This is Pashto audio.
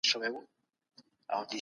څلور عدد دئ.